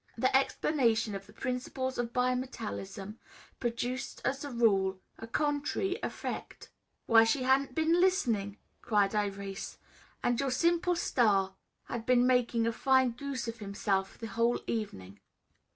The explanation of the principles of bimetallism produce, as a rule, a contrary effect." "Why, she hadn't been listening," cried Irais, "and your simple star had been making a fine goose of himself the whole evening.